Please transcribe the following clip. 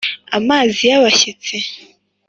amazi y’abashyitsi